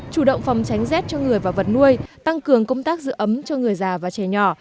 chủ động phòng tránh rét cho người và vật nuôi tăng cường công tác giữ ấm cho người già và trẻ nhỏ